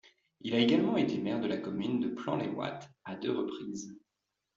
Il a également été maire de la commune de Plan-les-Ouates à deux reprises.